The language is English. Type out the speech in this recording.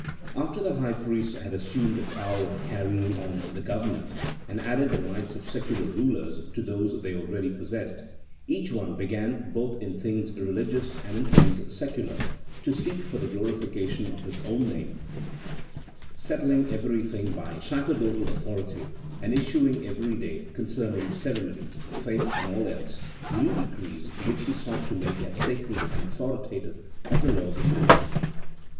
After the high priests had assumed the power of carrying on the govern ment, and added the rights of secular rulers to those they already possessed, each one began both in things religious and in things secular, to seek for the glorification of his own name, settling everything by sacerdotal authority, and issuing every day, concerning ceremonies, faith, and all else, new decrees which he sought to make as sacred and autho ritative as the laws of Moses.